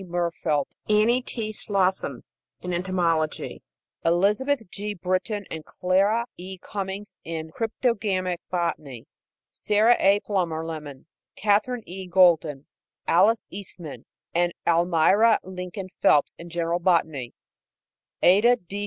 Murfeldt, Annie T. Slosson in entomology; Elizabeth G. Britton and Clara E. Cummings in cryptogamic botany; Sarah A. Plummer Lemmon, Katherine E. Golden, Alice Eastman and Almira Lincoln Phelps in general botany; Ada D.